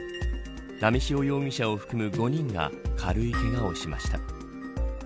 波汐容疑者を含む５人が軽いけがをしました。